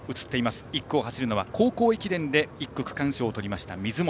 １区を走るのは高校駅伝で１区区間賞をとりました水本。